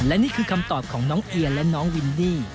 และนี่คือคำตอบของน้องเอียและน้องวินดี้